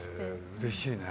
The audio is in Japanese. うれしいね。